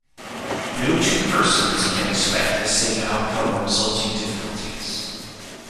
No two persons can expect the same outcome or resulting difficulties.